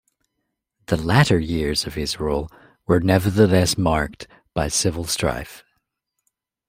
The latter years of his rule were nevertheless marked by civil strife.